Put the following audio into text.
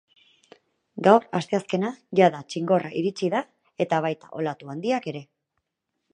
Gaur, asteazkena, jada txingorra iritsi da eta baita olatu handiak ere.